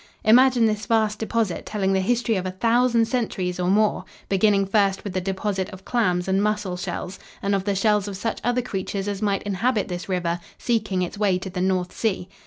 Imagine this vast deposit telling the history of a thousand centuries or more, beginning first with the deposit of clams and mussel shells and of the shells of such other creatures as might inhabit this river seeking its way to the North Sea.